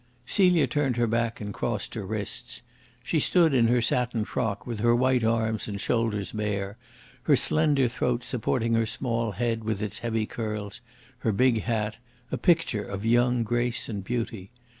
Celia turned her back and crossed her wrists. She stood in her satin frock, with her white arms and shoulders bare, her slender throat supporting her small head with its heavy curls, her big hat a picture of young grace and beauty.